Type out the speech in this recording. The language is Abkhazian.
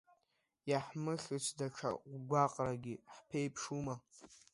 Иаҳмыхьыц даҽа гәаҟракгьы ҳԥеиԥшума?